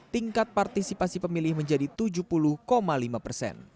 tingkat partisipasi pemilih menjadi tujuh puluh lima persen